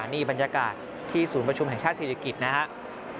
นี่บรรยากาศที่ศูนย์ประชุมแห่งชาติศิริกิจนะครับ